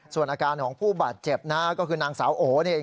ส่วนอาการของผู้บาดเจ็บนะฮะก็คือนางสาวโอเนี่ย